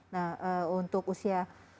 nah untuk usia